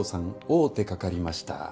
王手かかりました